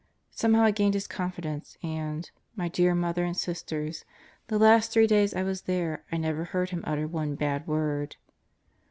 Somehow I gained his confidence and, my dear Mother and Sisters, the last three days I was there I never heard him utter one bad word.